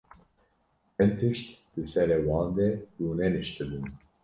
Hin tişt di serê wan de rûneniştibûn.